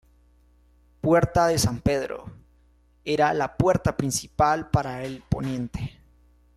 Puerta de San Pedro: era la puerta principal para el Poniente.